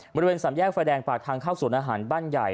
บริเวณสามแยกไฟแดงปากทางเข้าสวนอาหารบ้านใหญ่